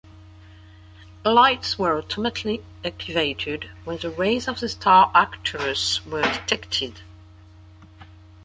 Lights were automatically activated when the rays of the star Arcturus were detected.